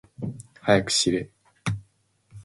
はやくしれ。